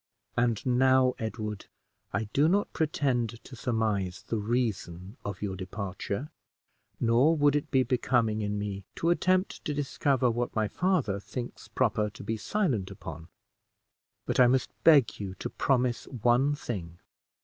"And now, Edward, I do not pretend to surmise the reason of your departure, nor would it be becoming in me to attempt to discover what my father thinks proper to be silent upon; but I must beg you to promise one thing."